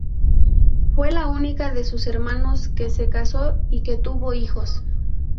Fue la única de sus hermanos que se casó y que tuvo hijos.